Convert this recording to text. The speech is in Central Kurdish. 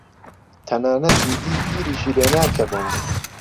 تەنانەت ئیدی بیریشی لێ ناکەمەوە.